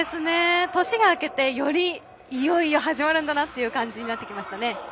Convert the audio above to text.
年が明けて、よりいよいよ始まるんだなという感じになってきましたね。